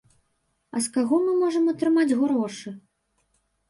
А з каго мы можам атрымаць грошы?